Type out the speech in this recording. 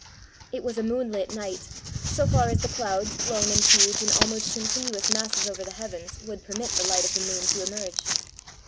It was a moonlit night, so far as the clouds, blown in huge and almost continuous masses over the heavens, would permit the light of the moon to emerge.